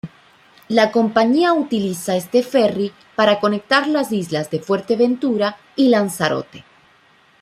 La compañía utiliza este ferri para conectar las islas de Fuerteventura y Lanzarote.